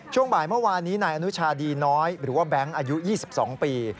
ช่วงบ่ายเมื่อวานนี้นายอนุชาดีน้อยหรือว่าแบงค์อายุ๒๒ปี